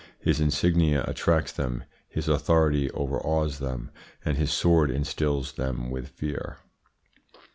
His insignia attracts them, his authority overawes them, and his sword instils them with fear.